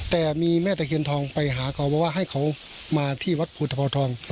แต่มีแม่ตะเคียนทองไปหาเขาบอกว่าให้เขามาที่วัดพุทธภาวทอง